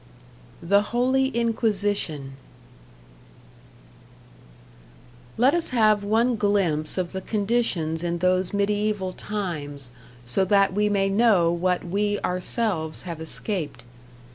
#The Holy Inquisition# Let us have one glimpse of the conditions in those mediaeval times, so that we may know what we ourselves have escaped.